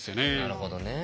なるほどね。